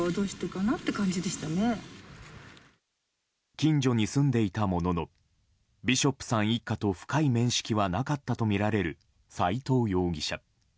近所に住んでいたもののビショップさん一家と深い面識はなかったとみられる斎藤容疑者。